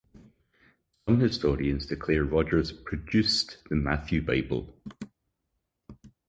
Some historians declare Rogers "produced" the Matthew Bible.